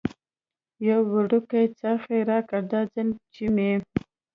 یو وړوکی څرخ یې راکړ، دا ځل چې مې.